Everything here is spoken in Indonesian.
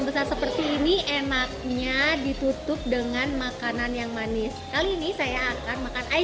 besar seperti ini enaknya ditutup dengan makanan yang manis kali ini saya akan makan